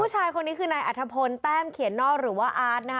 ผู้ชายคนนี้คือนายอัธพลแต้มเขียนนอกหรือว่าอาร์ตนะคะ